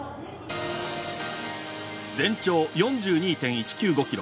全長４２．１９５ｋｍ。